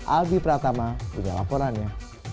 alvi pratama punya laporannya